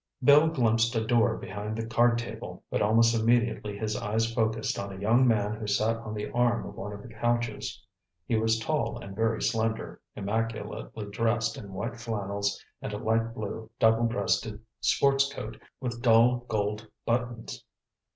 Bill glimpsed a door behind the card table, but almost immediately his eyes focussed on a young man who sat on the arm of one of the couches. He was tall and very slender, immaculately dressed in white flannels and a light blue, double breasted sports coat with dull gold buttons.